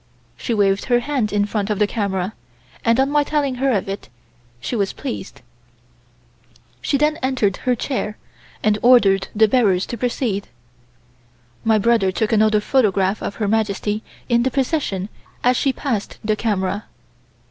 She waved her hand in front of the camera, and on my telling her of it, she was pleased. She then entered her chair, and ordered the bearers to proceed. My brother took another photograph of Her Majesty in the procession as she passed the camera.